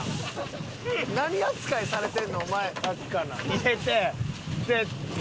入れて。